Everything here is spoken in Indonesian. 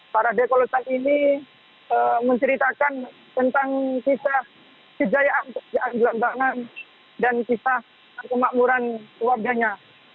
para dekolotan ini menceritakan tentang kisah kejayaan gelambangan dan kisah kemakmuran keluarganya